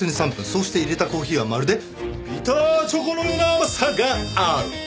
そうして淹れたコーヒーはまるでビターチョコのような甘さがある！